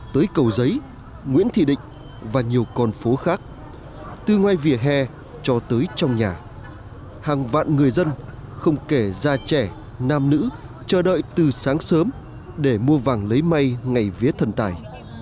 tới cầu giấy nguyễn thị định và nhiều con phố khác từ ngoài vỉa hè cho tới trong nhà hàng vạn người dân không kể cha trẻ nam nữ chờ đợi từ sáng sớm để mua vàng lấy may ngày vía thần tài